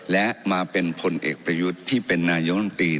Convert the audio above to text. และมาเป็นพลเอกประยุทธ์ที่เป็นนายกรรมตรี